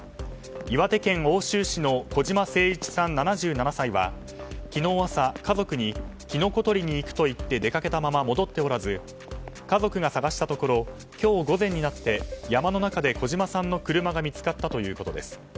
岩手県奥州市の小嶋清一さん、７７歳は昨日朝、家族にキノコ採りに行くといって出かけたまま戻っておらず家族が捜したところ今日午前になって山の中で小嶋さんの車が見つかったということです。